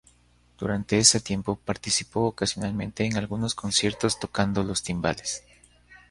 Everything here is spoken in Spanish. Durante ese tiempo, participó ocasionalmente en algunos conciertos tocando los timbales.